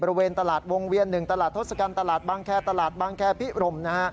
บริเวณตลาดวงเวียนหนึ่งตลาดทศกัณฐ์ตลาดบังแคร์ตลาดบังแคร์พิภรม